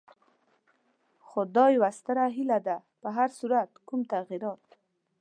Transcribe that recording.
خو دا یوه ستره هیله ده، په هر صورت کوم تغیرات.